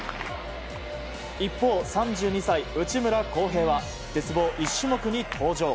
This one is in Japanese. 一方、３２歳、内村航平は鉄棒１種目に登場。